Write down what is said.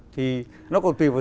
thì nó còn tùy vào